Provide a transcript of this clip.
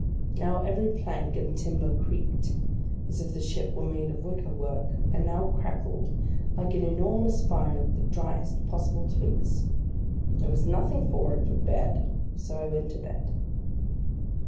Now every plank and timber creaked, as if the ship were made of wicker work; and now crackled, like an enormous fire of the driest possible twigs. There was nothing for it but bed; so I went to bed.